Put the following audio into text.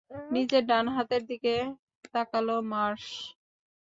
নিজের ডান হাতের দিকে তাকালো মার্শ।